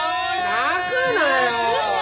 泣くなよ！